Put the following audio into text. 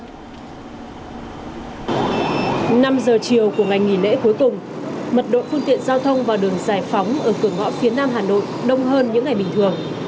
năm giờ chiều của ngày nghỉ lễ cuối cùng mật độ phương tiện giao thông vào đường giải phóng ở cửa ngõ phía nam hà nội đông hơn những ngày bình thường